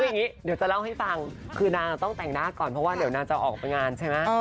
คืออย่างนี้เดี๋ยวจะเล่าให้ฟังคือนางต้องแต่งหน้าก่อนเพราะว่าเดี๋ยวนางจะออกไปงานใช่ไหม